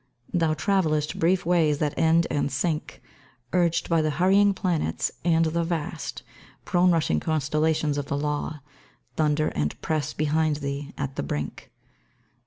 Thou travellest brief ways that end and sink— Urged by the hurryii^ planets; and the vast, Prone rushing constellarions of the Law, Thunder and press behind thee at the brink o.